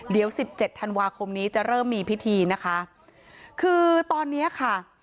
เดี๋ยวสิบเจ็ดธันวาคมนี้จะเริ่มมีพิธีนะคะคือตอนเนี้ยค่ะ